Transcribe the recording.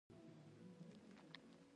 دا پاچاهي د سوډان په غونډیو کې پرته وه.